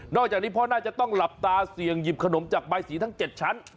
อกจากนี้พ่อน่าจะต้องหลับตาเสี่ยงหยิบขนมจากใบสีทั้ง๗ชั้น